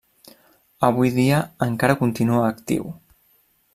Avui dia encara continua actiu.